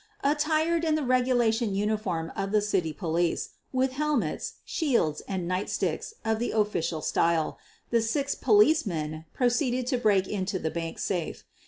Attired in the regulation uniform of the city police, with helmets, shields, and nightsticks of the official style, the six "police men" proceeded to break into the bank safe.